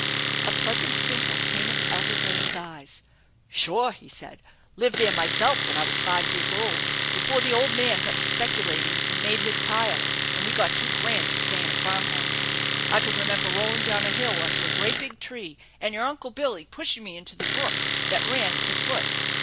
A pleasant twinkle came in the elder Graham's eyes. " Sure !" he said. " Lived there myself when I was five years old, before the old man got to speculating and made his pile, and we got too grand to stay in a farmhouse. I can remember rolling down a hill under a great big tree, and your Uncle Billy pushing me into the brook that ran at the foot.